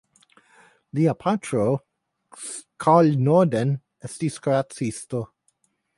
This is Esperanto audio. Lia patro Carl Norden estis kuracisto.